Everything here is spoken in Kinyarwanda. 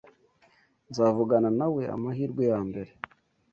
Nzavugana nawe amahirwe yambere.